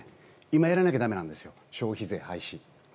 今やらなきゃならないんです消費税廃止。